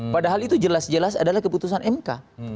padahal itu jelas jelas adalah keputusan mk